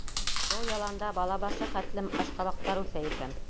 Был яланда бала башы хәтлем ашҡабаҡтар үҫә икән.